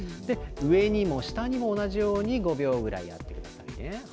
上にも下にも同じように５秒ぐらいやってくださいね。